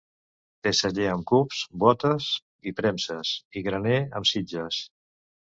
Té celler amb cups, bótes i premses, i graner amb sitges.